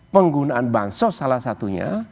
penggunaan bansos salah satunya